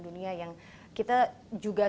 dunia yang kita juga